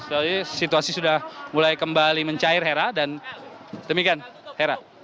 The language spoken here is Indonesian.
jadi situasi sudah mulai kembali mencair hera dan demikian hera